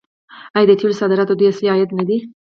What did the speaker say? آیا د تیلو صادرات د دوی اصلي عاید نه دی؟